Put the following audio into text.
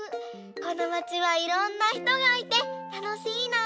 このまちはいろんなひとがいてたのしいな！